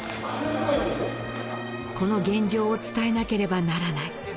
この現状を伝えなければならない。